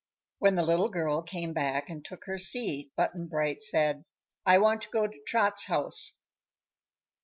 When the little girl came back and took her seat Button Bright said: "I want to go to Trot's house."